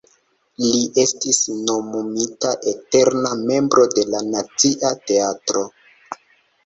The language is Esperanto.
Li estis nomumita eterna membro de la Nacia Teatro.